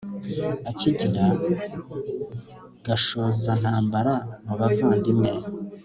akigira gashozantambara mu bavandimwe